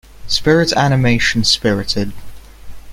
Spirit animation Spirited.